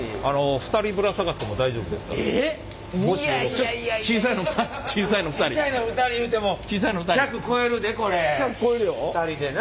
２人でな。